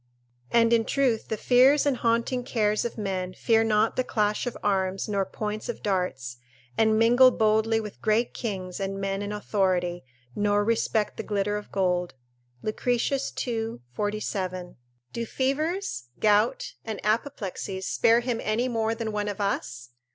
["And in truth the fears and haunting cares of men fear not the clash of arms nor points of darts, and mingle boldly with great kings and men in authority, nor respect the glitter of gold." Lucretius, ii. 47.] Do fevers, gout, and apoplexies spare him any more than one of us?